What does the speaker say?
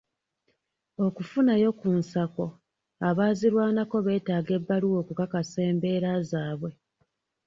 Okufunayo ku nsako, abaazirwanako beetaaga ebbaluwa okukakasa embeera zaabwe.